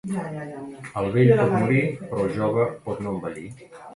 El vell pot morir, però el jove pot no envellir.